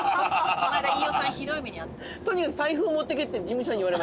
この間飯尾さんひどい目に遭ったよ。